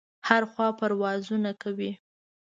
هره خوا پروازونه کوي.